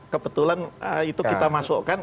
kebetulan itu kita masukkan